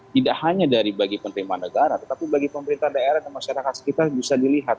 tidak hanya dari bagi penerimaan negara tetapi bagi pemerintah daerah dan masyarakat sekitar bisa dilihat